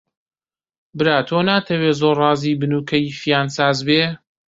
برا تۆ ناتەوێ زۆر ڕازی بن و کەیفیان ساز بێ؟